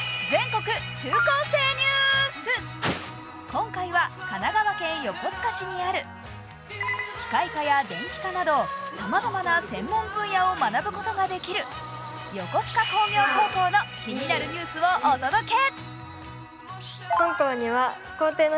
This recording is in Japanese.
今回は神奈川県横須賀市にある、機械科や電気科など、さまざまな専門分野を学ぶことができる横須賀工業高校の気になるニュースをお届け。